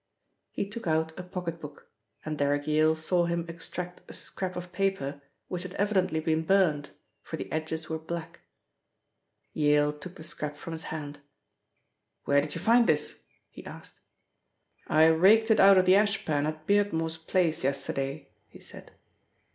He took out a pocket book, and Derrick Yale saw him extract a scrap of paper which had evidently been burnt, for the edges were black. Yale took the scrap from his hand. "Where did you find this?" he asked. "I raked it out of the ashpan at Beardmore's place yesterday," he said.